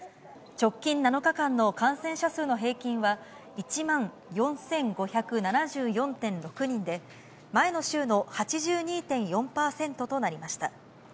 直近７日間の感染者数の平均は、１万４５７４．６人で、前の週の８２．４％となりました。